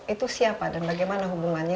itu siapa dan bagaimana hubungannya